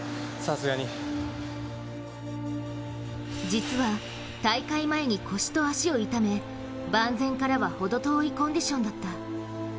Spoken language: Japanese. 実は大会前に腰と足を傷め万全からはほど遠いコンディションだった。